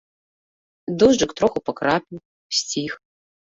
Дожджык троху пакрапіў, сціх.